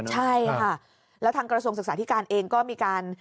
ใช่ค่ะแล้วทางกระทรวงศึกษาธิการเองก็มีการ